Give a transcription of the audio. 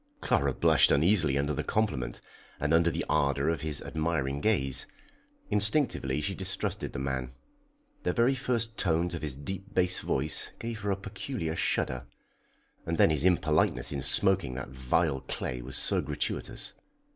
Clara blushed uneasily under the compliment, and under the ardour of his admiring gaze. Instinctively she distrusted the man. The very first tones of his deep bass voice gave her a peculiar shudder. And then his impoliteness in smoking that vile clay was so gratuitous.